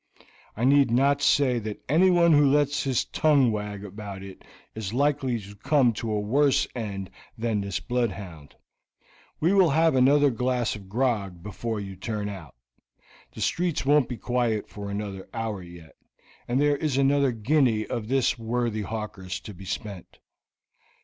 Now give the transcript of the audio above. I need not say that anyone who lets his tongue wag about it is likely to come to a worse end than this bloodhound. We will have another glass of grog before you turn out; the streets won't be quiet for another hour yet, and there is another guinea of this worthy hawker's to be spent.